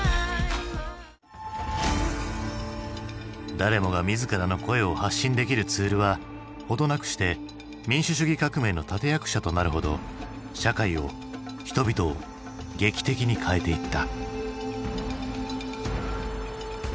誰もが自らの声を発信できるツールは程なくして民主主義革命の立て役者となるほど社会を人々を劇的に変えていった。